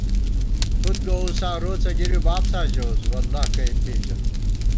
کھُد گووُساں روڅہ گِری بابساں ژَوُس “واللہ کَہ ئے پېژَنَم”